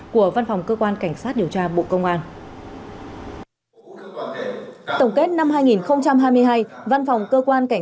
hai nghìn hai mươi ba của văn phòng cơ quan cảnh sát điều tra bộ công an tổng kết năm hai nghìn hai mươi hai văn phòng cơ quan cảnh